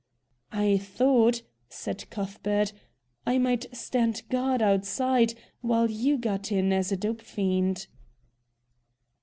"I thought," said Cuthbert, "I might stand guard outside, while you got in as a dope fiend."